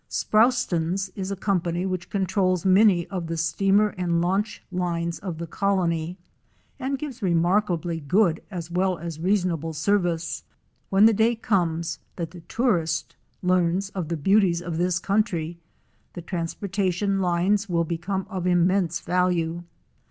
'""Sproston's"' is a company which controls many of the steamer and launch lines of the colony, and gives remarkably good as well as reasonable service. When the day comes that the tourist learns of the beauties of this country, the transportation lines will become of immense value.